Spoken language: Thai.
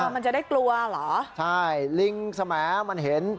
มันจะได้กลัวเหรอใช่ลิงสมัยมันเห็น